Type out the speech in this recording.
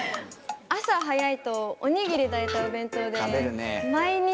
朝早いとおにぎり大体お弁当で。